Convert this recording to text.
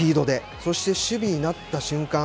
そして守備になった瞬間